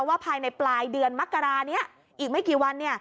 ภายในปลายเดือนมกรานี้อีกไม่กี่วัน